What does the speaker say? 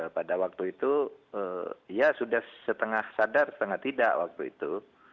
pada waktu itu ya sudah setengah sadar setengah tidak waktu itu